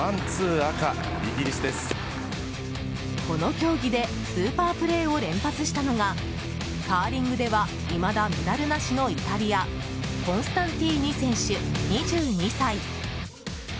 この競技でスーパープレーを連発したのがカーリングではいまだメダルなしのイタリアコンスタンティー二選手、２２歳。